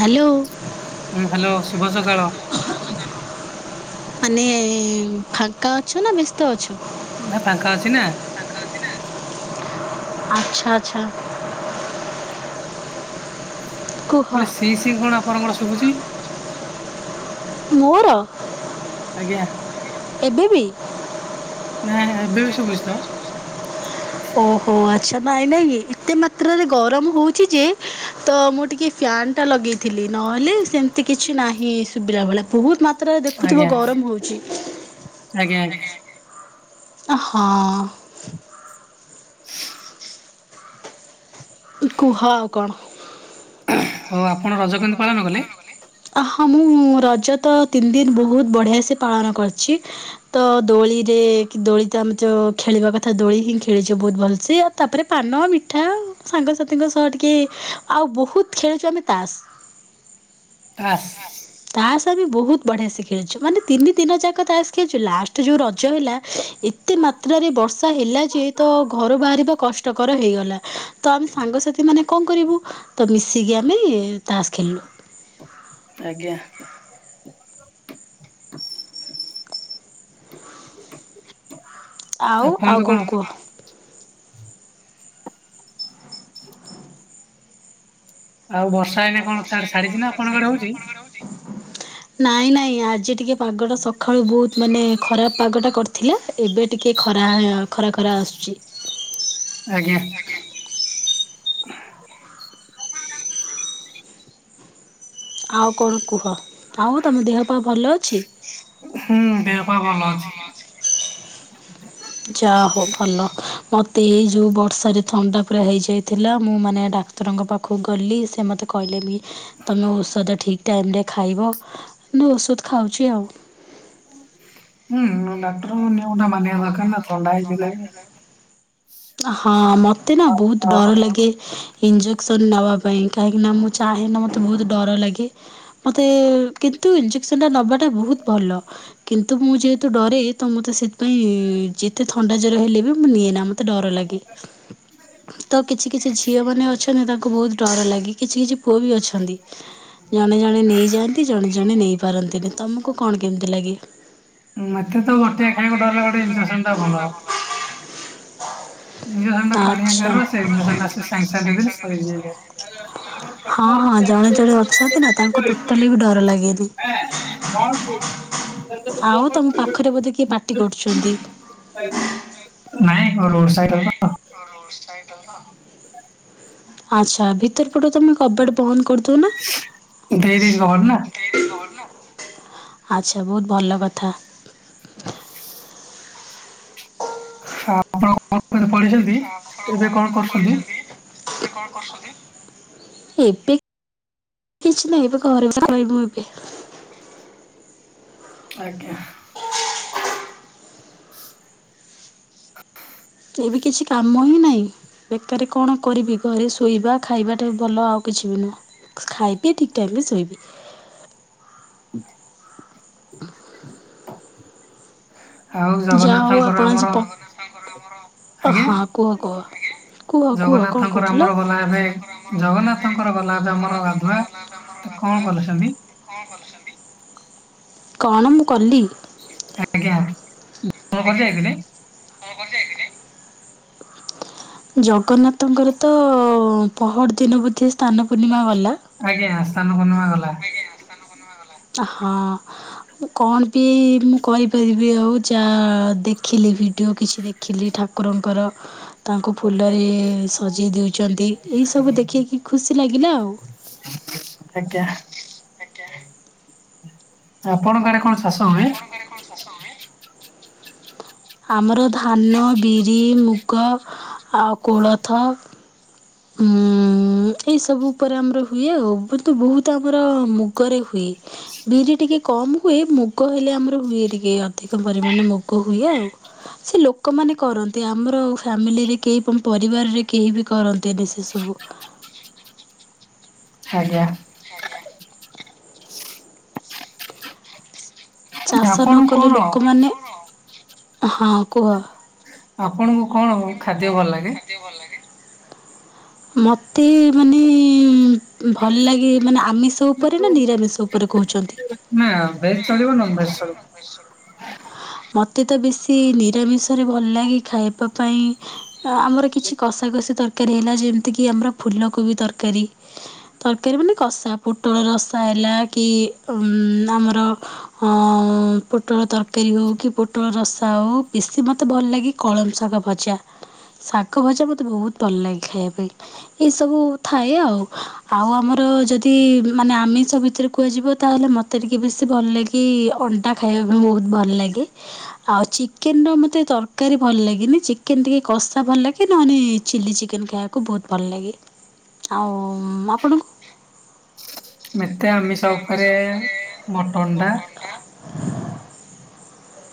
Hello. ହୁଁ hello ଶୁଭ ସକାଳ। ମାନେ ଫାଙ୍କା ଅଛ ନା ବ୍ୟସ୍ତ ଅଛ? ନା ଫାଙ୍କା ଅଛି ନା। ଆଚ୍ଛା ଆଚ୍ଛା। କୁହ ଗୋଟେ ସିଇ ସି କଣ ଆପଣ କଣ ଶୁଭୁଛି? ମୋର। ଆଜ୍ଞା। ଏବେ ବି ନାଁ ଏବେ ବି ଶୁଭୁଚି ତ। ଓହୋ ଆଚ୍ଛା ନାଇଁ ନାଇଁକି ଏତେ ମାତ୍ରାରେ ଗରମ ହଉଛି ଯେ ତ ମୁଁ ଟିକେ ଫ୍ୟାନ୍ ଟା ଲଗେଇଥିଲି ନହେଲେ ସେମେ ଏତେ କିଛି ନାହିଁ ଶୁଭିଲା ଭଳିଆ ବହୁତ ମାତ୍ରାରେ ଦେଖୁଥିବ ଆଜ୍ଞା ଗରମ ହେଉଛି। ଆଜ୍ଞା ଆଜ୍ଞା। ତ ହଁ। [unintelligible] କୁହ ଆଉ କଣ? ହଉ ଆପଣ ରଜ କେମିତି ପାଳନ କଲେ? ଅ ହଁ ମୁଁ ରଜ ତ ତିନି ଦିନ ବହୁତ ବଢ଼ିଆ ସେ ପାଳନ କରିଚି। ତ ଦୋଳିରେ ଦୋଳି ତ ଆମେ ତ ଖେଳିବା କଥା ଦୋଳି ହିଁ ଖେଳିଛୁ ବହୁତ ଭଲସେ। ତାପରେ ପାନ ମିଠା ସାଙ୍ଗସାଥିୀଙ୍କ ସହ ଟିକେ ଆଉ ବହୁତ ଖେଳିଛୁଆମେ ତାସ୍। ତାଶ୍। ତାସ ଆମ ବହୁତ ବଢିଆ ଶେ ଖେଳଛୁ ମାନେ ତିନି ଦିନ ଯାକ ତାସ ଖେଳଛୁ ଲାଟେ୍ ଏଯୋଉ ରଜ ହେଲା ଏତେ ମାତ୍ରାରେ ବର୍ଷା ହେଲା ଯେ ତ ଘରୁ ବାହାରିବା କଷ୍ଟକର ହେଇଗଲା। ତ ଆମେ ସାଙ୍ଗସାଥି ମାନେ କଣ କରିବୁ ତ ମିଶିକି ଆମେ ତାସ୍ ଖେଳିଲୁ। ଆଜ୍ଞା। ଆଉ ଆଉ କଣ କୁହ? ଆଉ ବର୍ଷା ଏଇନେ କଣ ଛାଡିଛି ନା ଆପଣଙ୍କ ଆଡେ ହୋଉଚି? ନାଇଁ ନାଇଁ ଆଜି ଟିକେ ପାଗ ଟା ସକାଳୁ ବହୁତ୍ ମାନେ ଖରାପ ପାଗ ଟା କରି ଥିଲା ଏବେ ଟିକିଏ ଖରା ଖରା ଖରା ଆସୁଚି। ଆଜ୍ଞା। ଆଉ କଣ କୁହ ଆଉ ତମ ଦେହ ପା ଭଲ ଅଛି? ହୁଁ ଦେହ ପା ଭଲ ଅଛି। ଯାହା ହଉ ଭଲ, ମତେ ଏଇ ଯୋଉ ବର୍ଷାରେ ଥଣ୍ଡା ପୁରା ହେଇଯାଇଥିଲା। ମୁଁ ମାନେ ଡା ଡାକ୍ତରଙ୍କ ପାଖକୁ ଗଲି ସେ ମୋତେ କହିଲେ ବି ତୁମେ ଔଷଧ ଠିକ୍ ଟାଇମରେ ଖାଇବ। ନ ଔଷଧ ଖାଉଛି ଆଉ ଡାକ୍ତରଙ୍କୁ ନିୟମ ମାନିବା ଦରକାର ନା ଥଣ୍ଡା ହେଇଥିଲେ ବି ହଁ ମତେ ନା ବହୁତ ହଁ ଡର ଲାଗେ। ଇଞ୍ଜେକସନ ନେବା ପାଇଁ କାହିଁକିନା ମୁଁ ଚାହେଁ ନା ମୋତେ ବହୁତ ଡର ଲାଗେ। ମୋତେ କିନ୍ତୁ ଇଞ୍ଜେକ୍ସନ ଟା ନେବାଟା ବହୁତ ଭଲ। କିନ୍ତୁ ମୁଁ ଯେହେତୁ ଡରେ ତ ମୋତେ ସେ [unintelligible] ଯେତେ ଥଣ୍ଡା ଜ୍ୟୋର ହେଲେ ବି ମୁଁ ନିଏନା ମୋତେ ଡର ଲାଗେ‌। ତ କିଛି କିଛି ଝିଅ ମାନେ ଅଛନ୍ତି ତାଙ୍କୁ ବହୁତ ଡର ଲାଗେ। କିଛି କିଛି ପୁଅ ବି ଅଛନ୍ତି‌। ଜଣେ ଜଣେ ନେଇଯାଆନ୍ତି ଜଣେ ଜଣେ ନେଇପାରନ୍ତିନି। ତୁମକୁ କଣ କେମିତି ଲାଗେ? ମତେ ତ ବଟିକା ଖାଇବାକୁ ଡରଲାଗେ ଇଜେକ୍ସନଟା ଭଲ। ଇଞ୍ଜେକ୍ସନ ଟା ପାଣିଆ ଆଚ୍ଛା। ଗାର ସେ ଇଞ୍ଜେକ୍ସନ ଟା ସେ ସାଙ୍ଗେ ସାଙ୍ଗେ ଦେଇଦେଲେ ସରିଯାଇଥାଏ। [unintelligible] ହଁ ହଁ ଜଣେ ଜଣେ ଅଛନ୍ତି ନା ତାଙ୍କୁ ଟୋଟାଲି ବି ଡର ଲାଗେନି। [unintelligible] [unintelligible] ଆଉ ତମ ପାଖରେ ବୋଧେ କିଏ ପାଟି କରୁଛନ୍ତି। [unintelligible] ନାଇଁ କଣ ରୋଡ ସାଇକେଲ ତ ରୋଡ ସାଇଡରେ ତ। ଆଚ୍ଛା ଭିତର ପଟେ ତମେ କବାଟ ବନ୍ଦ କରିଦଉନା। ଦେଇ ଦେଇଛି [unintelligible] କଭର ନା [unintelligible] ଆଚ୍ଛା ବହୁତ ଭଲ କଥା। ଆପଣ କଣ କେତେ ପଢ଼ିଛନ୍ତି ଏବେ କଣ କରୁଛନ୍ତି? କଣ କରୁଛନ୍ତି? [unintelligible] ଏବେ କିଛି ନାହିଁ ଏବେ ଘରେ ପା-ଖ ରହିବୁ ଏବେ। ଆଜ୍ଞା। ଏବେ କିଛି କାମ ହିଁ ନାହିଁ। ବେକାରୀ କଣ କରିବି ଘରେ ଶୋଇବା ଖାଇବା ଟା ଭଲ ଆଉ କିଛି ବି ନୁହଁ। ଖାଇବି ଠିକ୍ ଟାଇମରେ ଶୋଇବି। ଆଉ ଯାହା ହଉ ଜଗନ୍ନାଥଙ୍କର ଆପଣ ଆଜି ଆମର ପ ଆଜ୍ଞା। ହଁ କୁହ କୁହ କୁହ କୁହ କଣ ଜଗନ୍ନାଥଙ୍କର କହୁଥିଲ? ଆମର ଗଲା ଏବେ ଜଗନ୍ନାଥଙ୍କର ଗଲା ଏବେ ଆମର ଗାଧୁଆ ତ କଣ କରୁଛନ୍ତି। କଣ କରୁଛନ୍ତି? କଣ ମୁଁ କଲି। ଆଜ୍ଞା [unintelligible] [unintelligible] ଜଗନ୍ନାଥଙ୍କର ତ ପହର ଦିନ ବୋଧେ ସ୍ନାନ ପୂର୍ଣ୍ଣିମା ଗଲା। ଆଜ୍ଞା ସ୍ନାନ ପୂର୍ଣ୍ଣିମା ଗଲା ହଁ। କଣ ବି ମୁଁ କରିପାରିବି ଆଉ ଯା ଦେଖିଲି ବି ଭିଡ଼ିଓ କିଛି ଦେଖିଲି ଠାକୁରଙ୍କର ତାଙ୍କୁ ଫୁଲରେ ସଜେଇ ଦେଉଛନ୍ତି। ଏଇସବୁ ଦେଖେଇକି ଖୁସି ଲାଗିଲା ଆଉ। [unintelligible] ଆଜ୍ଞା ଆପଣଙ୍କ ଆଡ଼େ କଣ ଚାଷ ହୁଏ? ଆପଣଙ୍କ ଗାଁରେ କଣ ଚାଷ ହୁଏ? ଆମର ଧାନ, ବିରି, ମୁଗ ଆଉ କୋଳଥ ହୁଁ ଏଇ ସବୁ ଉପରେ ଆମର ହୁଏ ଆଉ ବହୁତ ଆମର ମୁଗରେ ହୁଏ। ବିରି ଟିକେ କମ୍ ହୁଏ ମୁଗ ହେଲେ ଆମର ହୁଏ। ଟିକେ ଅଧିକ ପରିମାଣରେ ମୁଗ ହୁଏ ଆଉ ସେ ଲୋକମାନେ କରନ୍ତି ଆମର ଫାମିଲିରେ କେହି ପରିବାରରେ କେହି ବି କରନ୍ତି ନି। ତିରିଶ ଷବୁ ଆଜ୍ଞା। ଆଜ୍ଞା। ଚାଷ ନ ଆପଣଙ୍କୁ କଲେ କଣ ଲୋକମାନେ ହଁ କୁହ। ଆପଣଙ୍କୁ କଣ ଖାଦ୍ୟ ଭଲ ଲାଗେ? ଖାଦ୍ୟ ଭଲ ଲାଗେ? ମତେ ମାନେ ଭଲ ଲାଗେ ମାନେ ଆମିଷ। ସ ଉପରେ ନା ନିରାମିଷ ଉପରେ କହୁଚନ୍ତି? ନାଁ ଭେଜ ଚଳିବ ନନ ଭେଜ ଚଳିବ। ମତେ ତ ବେଶୀ ନିରାମିଷରେ ଭଲ ଲାଗେ ଖାଇବା ପାଇଁ। ଆମର କିଛି କଷା କଷି ତରକାରୀ ହେଲା ଯେମିତିକି ଆମର ଫୁଲ କୋବି ତରକାରୀ। ତରକାରୀ ମାନେ କଷା ପୋଟଳ ରସା ହେଲା କି ଉ ଆମର ଅ ପୋଟଳ ତରକାରୀ ହଉ କି ପୋଟଳ ରସା ହଉ ବେଶୀ ମତେ ଭଲ ଲାଗେ କଳମ ଶାଗ ଭଜା ଶାଗ ଭଜା ମତେ ବହୁତ ଭଲ ଲାଗେ ଖାଇବା ପାଇଁ। ଏଇ ସବୁ ଥାଏ ଆଉ। ଆଉ ଆମର ଯଦି ମାନେ ଆମିଷ ଭିତରେ କୁହାଯିବ ତାହେଲେ ମତେ ଟିକେ ବେଶୀ ଭଲ ଲାଗି ଗେ ଅଣ୍ଡା ଖାଇବା ପାଇଁ ବହୁତ ଭଲ ଲାଗେ। ଆଉ ଚିକେନର ମୋତେ ତରକାରୀ ଭଲ ଲାଗେନି। ଚିକେନ ଟିକେ କଷା ଭଲ ଲାଗେ ନହେଲେ ଚିଲି ଚିକେନ୍ ଖାଇବାକୁ କୁ ବହୁତ ଭଲ ଲାଗେ। ଆଉ ଆପଣଙ୍କୁ? ମତେ ଆମିଷ ଉପରେ ମଟନ ଟା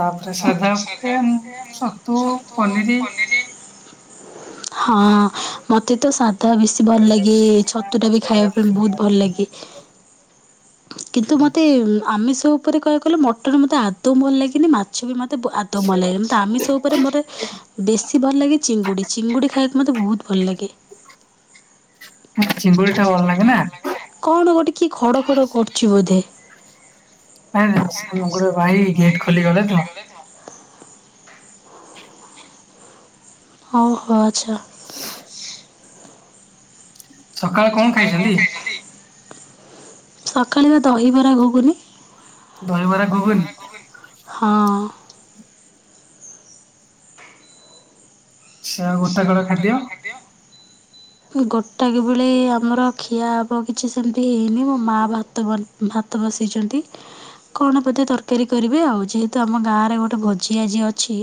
ତାପରେ ସାଧା ଉପରେ ଏମ୍ ଛତୁ ପନିର। ହଁ ମତେ ତ ସାଧା ବେଶୀ ଭଲ ଲାଗେ, ଛତୁ ଟା ବି ଖାଇବା ପାଇଁ ବହୁତ ଭଲ ଲାଗେ। କିନ୍ତୁ ମୋତେ ଆମିଷ ଉପରେ କହିବାକୁ ଗଲେ ମଟନ୍ ମୋତେ ଆଦୌ ଭଲ ଲାଗେନି। ମାଛ ମାଛ ବି ମୋତେ ଆଦୌ ଭଲ ଲାଗନି। ମୋତେ ଆମିଷ ଉପରେ ମୋର ବେଶୀ ଭଲ ଲାଗେ ଚିଙ୍ଗୁଡ଼ି। ଚିଙ୍ଗୁଡ଼ି ଖାଇବାକୁ ମୋତେ ବହୁତ ଭଲ ଲାଗେ। ହଁ ଚିଙ୍ଗୁଳି ଟା ଭଲ ଲାଗେ ନା? କଣ ଗୋଟେ କିଏ ଖଡ ଖଡ କରୁଚି ବୋଧେ? ନାଇଁ ଆମର ଗୋଟେ ଭାଇ ଗେଟ୍ ଖୋଲିକି ଗଲେ ତ। [inaudible] ଓହୋ ଆଚ୍ଛା [unintelligible] ସକାଳେ କଣ ଖାଇଛନ୍ତି ସକାଳେ ବା ଦହିବରା ଘୁଗୁନି। ଦହି ବରା ଗୁଗୁନି? ହଁ। ସେ ଆଉ ଗୋଟା କର ଖାଦ୍ୟ। ଗୋଟାକ ବେଳେ ଆମର ଖିଆ ହବ। କିଛି ସେମିତି ହେଇନି ମୋ ମାଆ ବା ଭାତ ବନି ଭାତ ବସେଇଚନ୍ତି। କଣ ବୋଧେ ତରକାରୀ କରିବେ ଆଉ। ଯେହେତୁ ଆମ ଗାଁ ରେ ଗୋଟେ ଭୋଜି ଆଜି ଅଛି।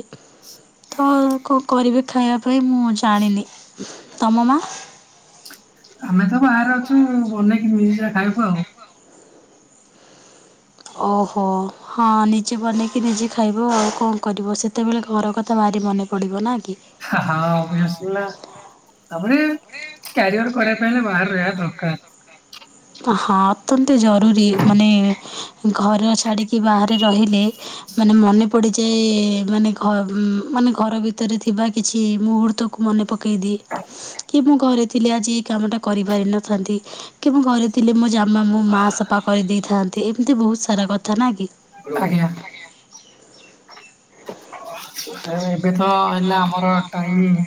ତ କଣ କରିବେ ଖାଇବା ପାଇଁ ମୁଁ ଜାଣିନି। ତମ ମା? ଆମେ ତ ବାହାରେ ଅଛୁ ବନେଇକି ନିଜେ ଖାଇବୁ ଆଉ। ଓହୋ ହଁ ନିଜେ ବନେଇକି ନିଜେ ଖାଇବ ଆଉ କଣ କରିବ ସେ ସେତେବେଳେ ଘର କଥା ଭାରି ମନେ ପଡିବ ନାଇ କି? ହା ହଁ ପାଇଁ ଆସଲା ତାପରେ କ୍ୟାରିଅର କରିବା ପାଇଁ ହେଲେ ବାହାରେ ରହିବା ଦରକାର। ହଁ ଅତ୍ୟନ୍ତ ଜରୁରୀ ମାନେ ଘର ଛାଡ଼ିକି ବାହାରେ ରହିଲେ। ମାନେ ମନେ ପଡିଯାଏ ମାନେ ଘ ମାନେ ଘର ଭିତରେ ଥିବା କିଛି ମୁହୂର୍ତ୍ତକୁ ମନେ ପକେଇ ଦିଏ। କି ମୁଁ ଘରେ ଥିଲେ ଆଜି ଏଇ କାମଟା କରିପାରିନଥାନ୍ତି। କି ମୁଁ ଘରେ ଥିଲେ ମୋ ଜାମା ମୋ ମା ସପା କରିଦେଇଥା ଏମିତି ବୋହୁତ ସାରା କଥା ନା କି। ଆଜ୍ଞା। ଏବେ ତ ହେଲା ଆମର ଟାଇମ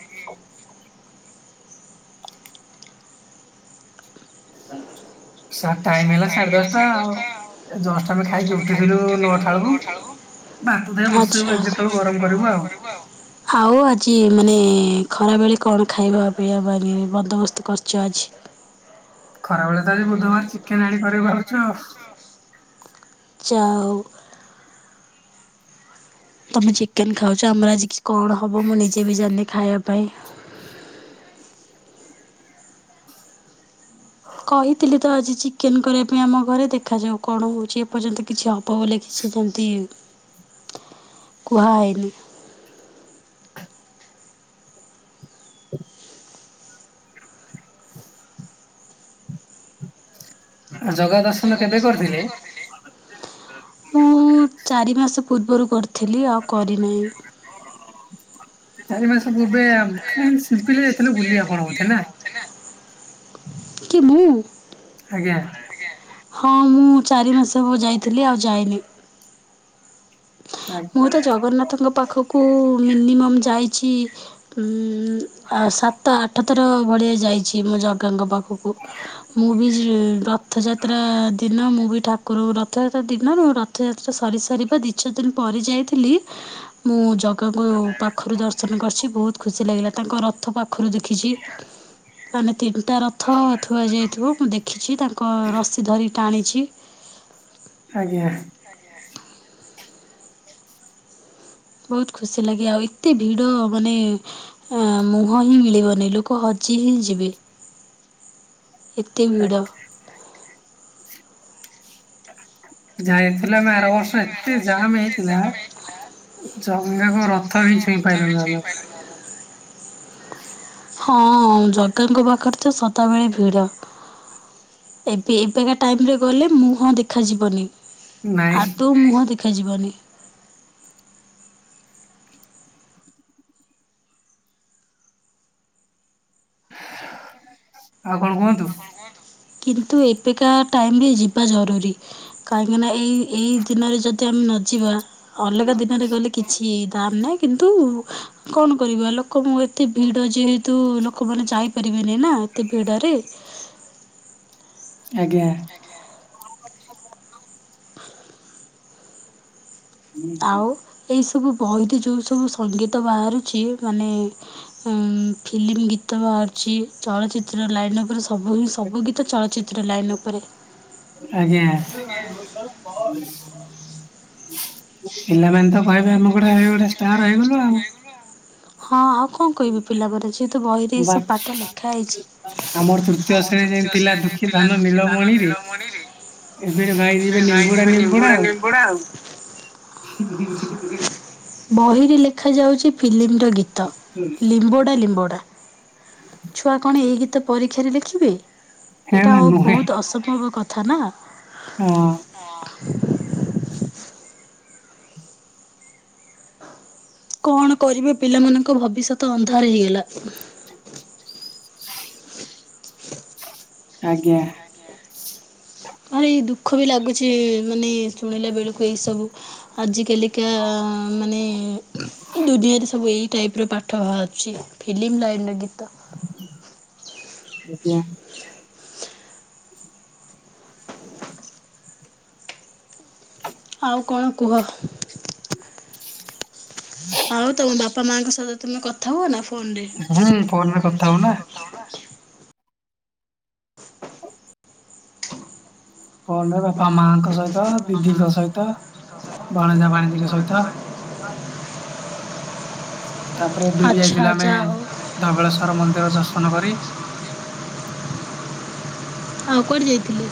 [unintelligible] ସାର ଟାଇମ ହେଲା ସାଢେ ଦଶଟା ଆଉ। ଜଷ୍ଟ ଆମେ ଖାଇକି ଉଠିଥିଲୁ ନଅଟା ବେଳକୁ। ଭାତ ଦେ ଆଚ୍ଛା। ବସେଇବୁ ଏଗାରଟା ବେଳକୁ ଗରମ କରିବୁ ଆଉ। ଆଉ ଆଜି ମାନେ ଖରାବେଳେ କଣ ଖାଇବା ପିଇବା ପାଇଁ ବନ୍ଦୋବସ୍ତ କରିଛ ଆଜି? ଖରା ବେଳେ ତ ଆଜି ବୁଧବାର ଚିକେନ ଆଣି କରିବୁ ଭାବୁଛୁ ଆଉ। ଚା ହଉ। ତମେ ଚିକେନ ଖାଉଛ। ଆମର ଆଜି କିଛି କଣ ହବ। ମୁଁ ନିଜେ ବି ଜାଣିନି ଖାଇବା ପାଇଁ। କହିଥିଲି ତ ଆଜି ଚିକେନ୍ କରିବା ପାଇଁ ଆମ ଘରେ ଦେଖାଯାଉ। କଣ ହଉଛି ଏପର୍ଯ୍ୟନ୍ତ କିଛି ହବ ହବ ବୋଲି କିିଛି ସେମିତି କୁହା ହେଇନି। [inaudible] ଆ ଜଗା ଦର୍ଶନ କେବେ କରିଥିଲେ? ମୁଁ ଚାରି ମାସ ପୂର୍ବରୁ କରିଥିଲି ଆଉ କରିନାହିଁ। ଚାରି ମାସ ପୂର୍ବେ ଶିପିଲି ଯାଇଥିଲୁ ବୁଲି ଆପଣ ବୋଧେ ନା? କି ମୁଁ। ଆଜ୍ଞା। ହଁ ମୁଁ ଚାରି ମାସ ହବ ଯାଇଥିଲି ଆଉ ଯାଇନି। ମୁଁ ତ ଜଗନ୍ନାଥଙ୍କ ପାଖକୁ ମିନିମମ୍ ଯାଇଛି ଉଁ ଆଉ ସାତ ଆଠ ଥର ଭଳିଆ ଯାଇଛି। ମୁଁ ଜଗାଙ୍କ ପାଖ କୁ ମୁଁ ବି ରଥଯାତ୍ରା ଦିନ ମୁଁ ବି ଠାକୁ ରକୁ ରଥଯାତ୍ରା ଦିନରୁ ରଥଯାତ୍ରା ସରିସାରିବା ଦି ଚାରି ଦିନ ପରେ ଯାଇଥିଲି। ମୁଁ ତାଙ୍କୁ ପାଖରୁ ଦର୍ଶନ କରିଛି ବୋହୁତ ଖୁସି ଲାଗିଲା। ତାଙ୍କ ରଥ ପାଖରୁ ଦେଖିଛି ମାନେ ତିନିଟା ରଥ ଥୁଆଯାଇଥିବ। ମୁଁ ଦେଖିଛି ତାଙ୍କ ରସି ଧରି ଟାଣିଛି। ଆଜ୍ଞା। ଆଜ୍ଞା ଆଜ୍ଞା। ବୋହୁତ ଖୁସି ଲାଗେ ଆଉ ଏତେ ଭିଡ ମାନେ ଅ ମୁହଁ ହିଁ ମିଳିବନି ଲୋକ ହଜି ହିଁ ଯିବେ। ଏତେ ଭିଡ଼। ଆଛା। ଯାଇଥିଲ ନା ଆର ବର୍ଷ ଏତେ ଜାମ୍ ହେଇଥିଲା। ଜଗା ଙ୍କ ରଥ ବିି ଛୁଇଁ ପାଇଲୁନୁ ଆମେ। [inaudible] ହଁ ଜଗାଙ୍କ ପାଖରେ ତ ସଦାବେଳେ ଭିଡ। ଏବେ ଏବେକା ଟାଇମ ରେ ଗଲେ ମୁହଁ ଦେଖାଯିବନି। ନାଇଁ ଆଦୌ ମୁହଁ ଦେଖାଯିବନି। ଆଉ କଣ କୁହନ୍ତୁ? କିନ୍ତୁ ଏବେକା ଟାଇମରେ ଯିବା ଜରୁରୀ। କାହିଁକିନା ଏଇ ଏଇ ଦିନରେ ଯଦି ଯଦି ଆମେ ନ ଯିବା ଅଲଗା ଦିନରେ ଗଲେ କିଛି ଦାମ୍ ନାହିଁ। କିନ୍ତୁ କଣ କରିବା ଲୋକ ଏତେ ଭିଡ ଯେହେତୁ ଲୋକମାନେ ଯାଇ କରିବେନି ନା ଏତେ ଭିଡ଼ରେ। ଆଜ୍ଞା [unintelligible] ଆଉ ଏଇ ସବୁ ବହିତ ଯଉ ସବୁ ସଙ୍ଗୀତ ବାହାରୁଛି ମାନେ ଉ ଫିଲ୍ମ ଗୀତ ବାହାରୁଛି, ଚଳଚିତ୍ର ଲାଇନରେ ପୁରା ସ ସବୁ ହିଁ ସବୁ ଗୀତ ଚଳଚ୍ଚିତ୍ର ଲାଇନ ଉପରେ। ଆଜ୍ଞା, ପିଲାମାନେ [unintelligible] ତ କହେ ଆମେ ଗୋଟେ ଗୋଟେ ଷ୍ଟାର ହେଇଗଲୁ ଆଉ। ହଁ, ଆଉ କଣ କହିବି ପିଲା ପରେ ଯେହେତୁ ବହିରେ ଏ ବା ସବୁ ପାଠ ଲେଖା ହେଇଛି, ଆମର ତୃତୀୟ ଆମର ଶ୍ରେଣୀ ଯେମିତି ତୃତୀୟ ଥିଲା ଶ୍ରେଣୀରେ ଦୁଃଖୀ ଥିଲା ଧନ ଦୁଃଖୀ ଧନ ନୀଳମଣିରେ ନୀଳମଣି ଏବେ ଭାଇ ସେ ଯିବେ ଗାଇବେ ନିମ୍ବୁଡା ନିମ୍ବୁଡା ଆଉ। ହୁଁ, ହୁଁ [unintelligible] ବହିରେ ଲେଖାଯାଉଛି ଫିଲ୍ମର ଗୀତ। ଗୀତ ଲିମ୍ବଡ଼ା,। ଲିମ୍ବଡ଼ା ଛୁଆ କଣ ଏହି ଗୀତ ପରୀକ୍ଷାରେ ଲେଖିବେ ହେ ଏଇଟା ନା ଆଉ ନୁହେଁ ବହୁତ ଅସମ୍ଭବ କଥା ନା ହଁ। କଣ କରିବେ ପିଲାମାନଙ୍କ ଭବିଷ୍ୟତ ଅନ୍ଧାର ହେଇଗଲା ଆଜ୍ଞା [unintelligible] ହିଁ, ଏଇ ଦୁଃଖ ବି ଲାଗୁଛି ମାନେ ଶୁଣିଲା ବେଳକୁ ଏଇ ସବୁ। ଆଜ କାଲିକା ମାନେ ଦୁନିଆରେ ସବୁ ଏଇ ଟାଇପ ର ପାପ ପାଠ ଭରୁଛି ଫିଲ୍ମ ଲାଇନ୍ ର ଗୀତ। ଆଜ୍ଞା। ଆଉ କଣ କୁହ? ଆଉ ତମ ବାପା ମାଙ୍କ ସହିତ ତମେ କଥା ହୁଅ ନା ଫୋନ ରେ ହୁଁ, ଫୋନରେ କଥା ହଉନା। ଫୋନ୍ ରେ ବାପା ମାଙ୍କ ସହିତ ଦିଦିଙ୍କ ସହିତ ଭଣଜା ଭାଣିଜୀଙ୍କ ସହିତ [inaudible] ତାପରେ ଏବେ ବି ଆଚ୍ଛା ଯାଇଥିଲେ ଆମେ ଯାହା ହଉ। ଧବଳେଶ୍ଵର ମନ୍ଦିର ଦର୍ଶନ କରି ଆଉ କୁଆଡେ ଯାଇଥିଲୁ।